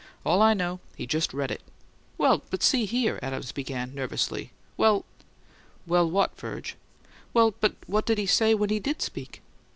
All I know: he just read it." "Well, but see here," Adams began, nervously. "Well " "Well what, Virg?" "Well, but what did he say when he DID speak?"